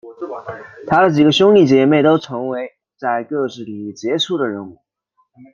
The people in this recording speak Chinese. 他的几个兄弟姐妹都成为在各自领域杰出的人物。